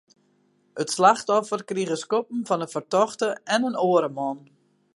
It slachtoffer krige skoppen fan de fertochte en in oare man.